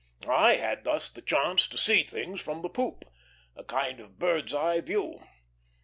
I had thus the chance to see things from the poop, a kind of bird's eye view.